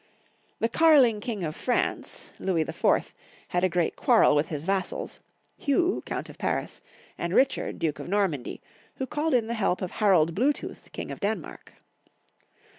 The Karling King of France, Louis IV., had a great quarrel with his vassals, Hugh, Coimt of Paris, and Richard, Duke of Normandy, who called in the help of Harald Blue tooth, King of Denmark.